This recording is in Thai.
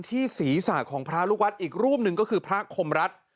ที่ศีรษะของพระลูกวัดอีกรูปหนึ่งก็คือพระคมรัฐ